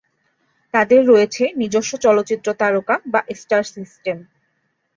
তাদের রয়েছে নিজস্ব চলচ্চিত্র তারকা বা স্টার সিস্টেম।